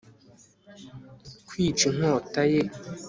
kwica inkota ye